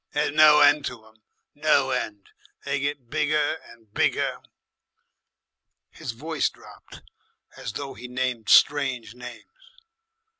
There's no end to 'em. No end. They get bigger and bigger." His voice dropped as though he named strange names.